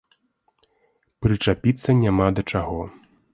Прычапіцца няма да чаго.